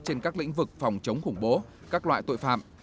trên các lĩnh vực phòng chống khủng bố các loại tội phạm